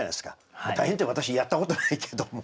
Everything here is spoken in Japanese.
まあ「大変」って私やったことないけども。